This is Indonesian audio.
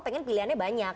pengen pilihannya banyak